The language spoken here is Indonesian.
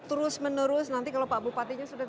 terus menerus nanti kalau pak bupatinya sudah